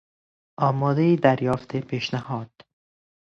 آماده دریافت پیشنهاد